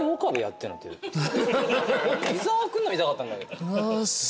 伊沢君の見たかったんだけど。